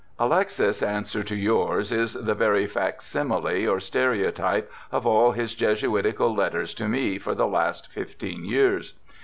'Alexis' answer to yours is the very facsimile or stereotype of all his Jesuitical letters to me for the last fifteen years.